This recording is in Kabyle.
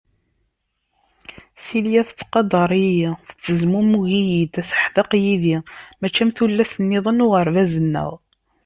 Silya tettqadar-iyi, tettezmumug-iyi-d, teḥdeq yid-i mačči am tullas-niḍen n uɣerbaz-nneɣ.